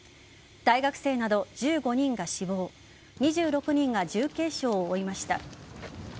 大学生など１５人が死亡２６人が重軽傷を負いました。